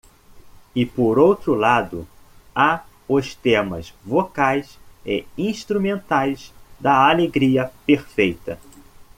E por outro lado, há os temas vocais e instrumentais da alegria perfeita.